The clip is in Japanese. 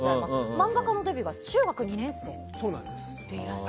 漫画家のデビューが中学２年生でいらっしゃる。